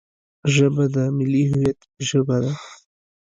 ژبه د ملي هویت ژبه ده